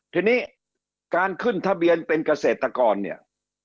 ทีนี้การขึ้นทะเบียนเป็นเกษตรกรเนี่ย